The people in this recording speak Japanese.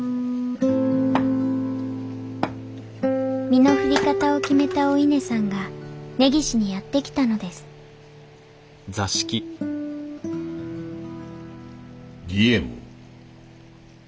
身の振り方を決めたお稲さんが根岸にやってきたのです離縁を？